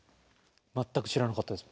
全く知らなかったです